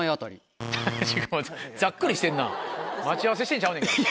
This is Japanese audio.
ざっくりしてんな待ち合わせしてんちゃうねんから。